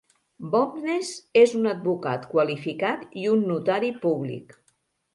Bowness és un advocat qualificat i un notari públic.